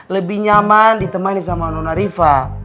lebih nyaman ditemani sama nona riva